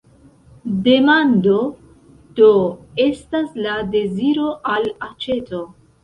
Demando, do, estas la deziro al aĉeto.